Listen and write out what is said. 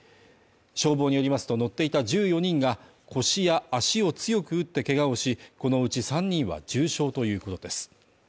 消防によりますと乗っていた１４人が、腰や足を強く打ってけがをし、このうち３人は重傷ということです。